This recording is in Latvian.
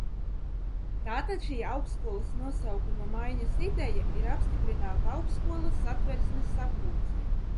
Tātad šī augstskolas nosaukuma maiņas ideja ir apstiprināta augstskolas Satversmes sapulcē.